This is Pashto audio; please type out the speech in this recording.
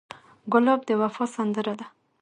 ګلاب د وفا سندره ده.